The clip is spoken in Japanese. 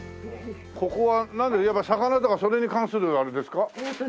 ここはやっぱ魚とかそれに関するあれですか？